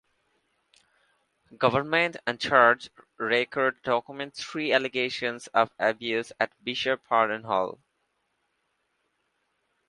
Government and church records document three allegations of abuse at Bishop Horden Hall.